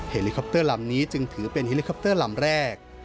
เฮลิคอปเตอร์ลำนี้จึงถือเป็นเฮลิคอปเตอร์ลำแรก